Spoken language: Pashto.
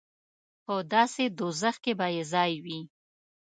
په داسې دوزخ کې به یې ځای وي.